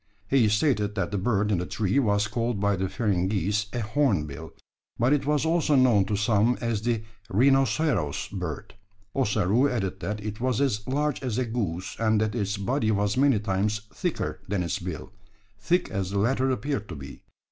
He stated that the bird in the tree was called by the Feringhees a "hornbill," but it was also known to some as the "rhinoceros bird." Ossaroo added that it was as large as a goose; and that its body was many times thicker than its bill, thick as the latter appeared to be.